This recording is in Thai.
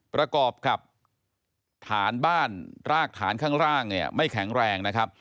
ประกอบกับฐานบ้านรากฐานข้างล่างเนี่ยไม่แข็งแรงนะครับ